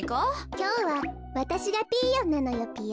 きょうはわたしがピーヨンなのよぴよ。